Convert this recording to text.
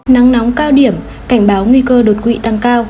nắng nóng cao điểm cảnh báo nguy cơ đột quỵ tăng cao